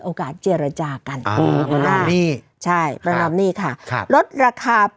โอกาสเจรจากันอ๋อประนับนี้ใช่ประนับนี้ค่ะครับลดราคา